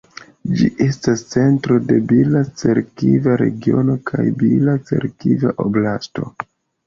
Ĝi estas centro de Bila-Cerkva regiono kaj Bila-Cerkva oblasto.